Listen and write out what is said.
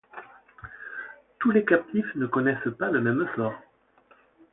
Tous les captifs ne connaissent pas le même sort.